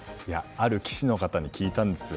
ある棋士の方に聞いたんですよ。